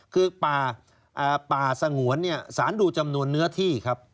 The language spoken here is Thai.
คือป่าป่าสงวนเนี่ยสารดูจำนวนเนื้อที่ครับ